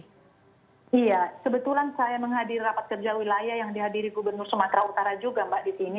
iya kebetulan saya menghadiri rapat kerja wilayah yang dihadiri gubernur sumatera utara juga mbak di sini